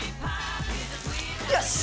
よし！